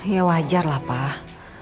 ya wajar lah pak